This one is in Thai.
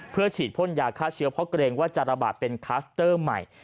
เพื่อฉีดพ่นยาฆ่าเชื้อเพราะเกรงว่าจะระบาดเป็นคลัสเตอร์ใหม่